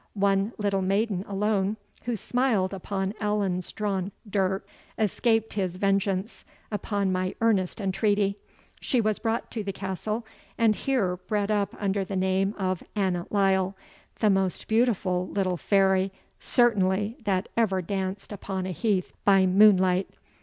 One little maiden alone, who smiled upon Allan's drawn dirk, escaped his vengeance upon my earnest entreaty. She was brought to the castle, and here bred up under the name of Annot Lyle, the most beautiful little fairy certainly that ever danced upon a heath by moonlight.